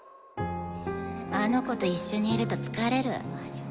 あの子と一緒にいると疲れる。